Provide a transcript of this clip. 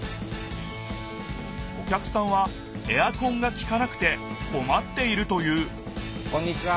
お客さんはエアコンがきかなくてこまっているというこんにちは！